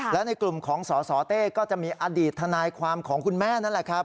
และในกลุ่มของสสเต้ก็จะมีอดีตทนายความของคุณแม่นั่นแหละครับ